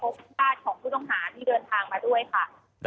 ญาติของผู้ต้องหาที่เดินทางมาด้วยค่ะ